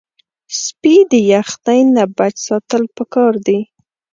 سپي د یخنۍ نه بچ ساتل پکار دي.